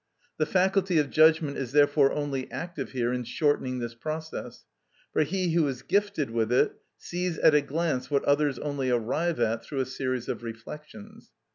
The faculty of judgment is therefore only active here in shortening this process, for he who is gifted with it sees at a glance what others only arrive at through a series of reflections.